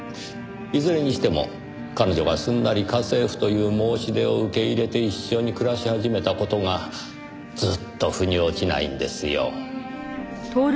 いずれにしても彼女がすんなり家政婦という申し出を受け入れて一緒に暮らし始めた事がずっと腑に落ちないんですよ。